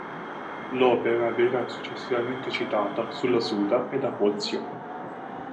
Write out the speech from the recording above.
L'opera verrà successivamente citata sulla "Suda" e da Fozio.